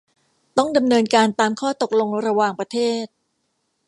ต้องดำเนินการตามข้อตกลงระหว่างประเทศ